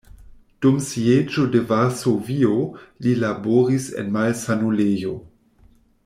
Dum sieĝo de Varsovio li laboris en malsanulejo.